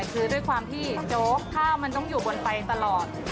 คือด้วยความที่โจ๊กข้าวมันต้องอยู่บนไฟตลอด